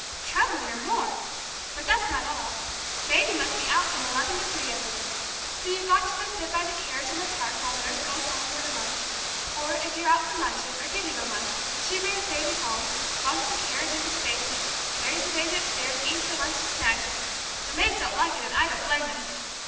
Trebling, or more. But that's not all. Baby must be out from eleven to three every day. So you've got to go sit by the carriage in the park while nurse goes home for her lunch. Or, if you're out for luncheon, or giving a luncheon, she brings baby home, bumps the carriage into the basement, carries the baby upstairs, eats her lunch in snatches the maids don't like it, and I don't blame them!